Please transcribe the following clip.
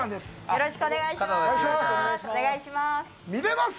よろしくお願いします。